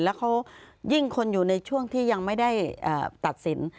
แล้วเขายิ่งคนอยู่ในช่วงที่ยังไม่ได้ตัดสิน